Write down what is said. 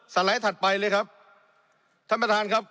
ไลด์ถัดไปเลยครับท่านประธานครับ